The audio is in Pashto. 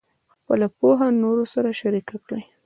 خپله پوهه نورو سره شریکه کړئ.